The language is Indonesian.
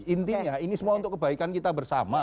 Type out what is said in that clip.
intinya ini semua untuk kebaikan kita bersama